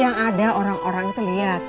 yang ada orang orang itu lihat